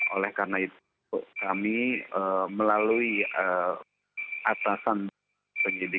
oleh karena itu kami melalui atasan penyidik